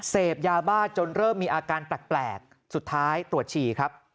เสพยาบ้าจนเริ่มมีอาการแปลกสุดท้ายตรวจฉี่ครับ